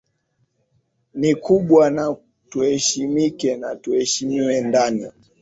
ni kubwa na tueshimike na tueshimiwe ndani